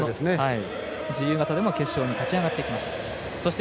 自由形でも決勝に勝ち上がってきました。